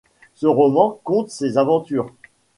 Ce roman conte ses aventures.